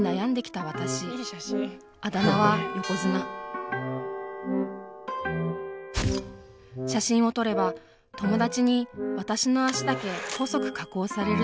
あだ名は写真を撮れば友達に私の脚だけ細く加工される始末。